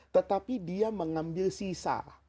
tetapi dia mengambil sisa